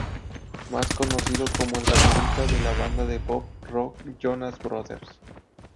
Más conocido como el baterista de la banda de pop rock Jonas brothers.